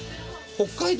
北海道。